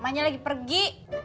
nia lagi pergi